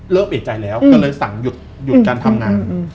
เปลี่ยนใจแล้วก็เลยสั่งหยุดการทำงาน